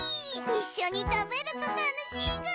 いっしょにたべるとたのしいぐ！